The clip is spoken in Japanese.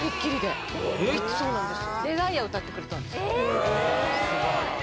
そうなんですよ・え！